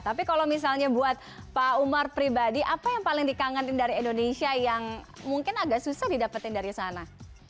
tapi kalau misalnya buat pak umar pribadi apa yang paling dikangenin dari indonesia yang mungkin agak susah didapetin dari sana